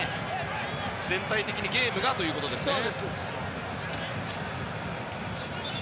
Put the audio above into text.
全体的にゲームがということですね。